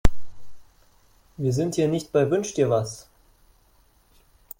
Wir sind hier nicht bei Wünsch-dir-was.